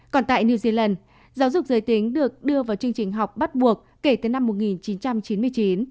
còn tại new zealand giáo dục giới tính được đưa vào chương trình học bắt buộc kể từ năm một nghìn chín trăm chín mươi chín